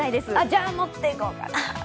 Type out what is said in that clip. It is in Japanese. じゃあ、持っていこうかな。